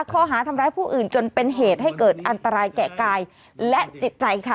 ข้อหาทำร้ายผู้อื่นจนเป็นเหตุให้เกิดอันตรายแก่กายและจิตใจค่ะ